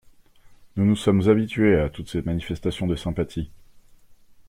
Nous nous sommes habitués à toutes ces manifestations de sympathie.